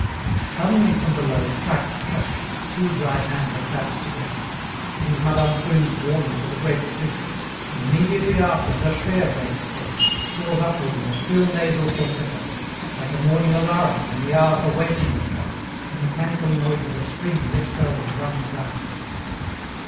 Suddenly from below, clac! clac! two dry hands are clapped together; it is Madame Prune's warning to the Great Spirit. And immediately after her prayer breaks forth, soars upward in a shrill nasal falsetto, like a morning alarum when the hour for waking has come, the mechanical noise of a spring let go and running down.